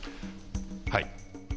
はい。